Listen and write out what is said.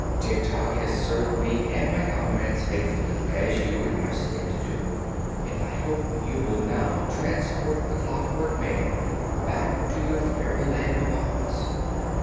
Tik Tok has served me and my comrades faithfully, as you requested him to do, and I hope you will now transport the Clockwork Man back to your fairyland of Oz."